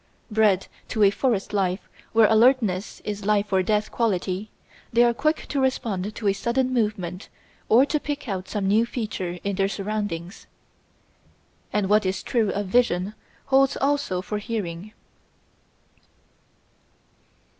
Bred to a forest life where alertness is a life or death quality, they are quick to respond to a sudden movement or to pick out some new feature in their surroundings. And what is true of vision holds also for hearing.